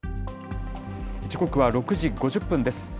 時刻は６時５０分です。